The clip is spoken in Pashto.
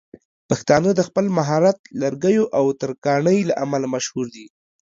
پښتانه د خپل مهارت لرګيو او ترکاڼۍ له امله مشهور دي.